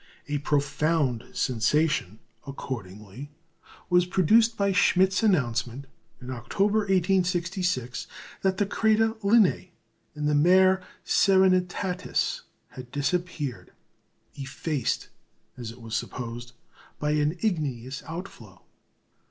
A profound sensation, accordingly, was produced by Schmidt's announcement, in October, 1866, that the crater "Linné," in the Mare Serenitatis, had disappeared, effaced, as it was supposed, by an igneous outflow.